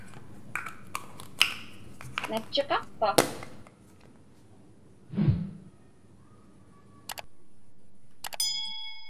Natchiqaqpa?